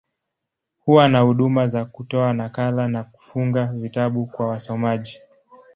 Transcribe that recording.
Huwa na huduma za kutoa nakala, na kufunga vitabu kwa wasomaji.